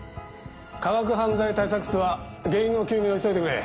科学犯罪対策室は原因の究明を急いでくれ。